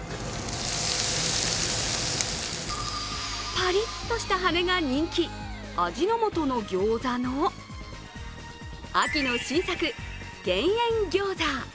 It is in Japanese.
パリッとした羽根が人気、味の素のギョーザの秋の新作、減塩ギョーザ。